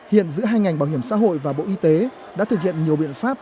hiện giữa hai ngành bảo hiểm xã hội và bộ y tế đã thực hiện nhiều biện pháp